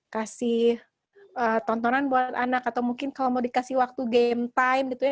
kasih tontonan buat anak atau mungkin kalau mau dikasih waktu game time gitu ya